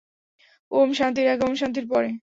ওম, শান্তির আগে, ওম, শান্তির পরে।